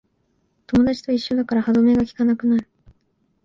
友達と一緒だから歯止めがきかなくなる